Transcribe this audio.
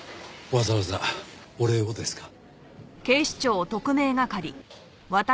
わざわざお礼をですか。